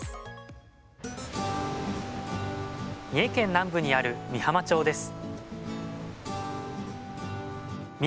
三重県南部にある御浜町です